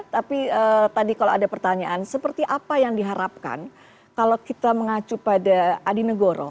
tapi tadi kalau ada pertanyaan seperti apa yang diharapkan kalau kita mengacu pada adi negoro